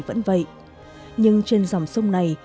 vẫn vậy nhưng trên dòng sông này